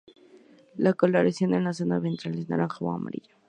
La coloración en la zona ventral es naranja o amarilla.